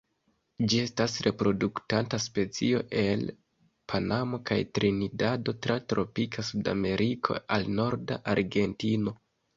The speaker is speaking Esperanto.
Ĝi estas reproduktanta specio el Panamo kaj Trinidado tra tropika Sudameriko al norda Argentino.